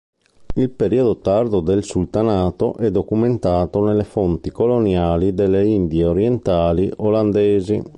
Il periodo tardo del sultanato è documentato nelle fonti coloniali delle Indie Orientali Olandesi.